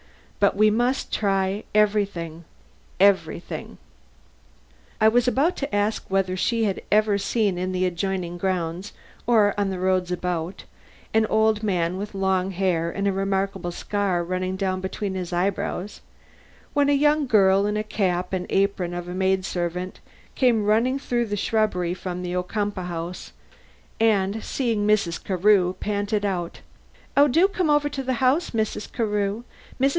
"But we must try everything, everything." I was about to ask whether she had ever seen in the adjoining grounds, or on the roads about, an old man with long hair and a remarkable scar running down between his eyebrows, when a young girl in the cap and apron of a maid servant came running through the shrubbery from the Ocumpaugh house, and, seeing Mrs. Carew, panted out: "Oh, do come over to the house, Mrs. Carew. Mrs.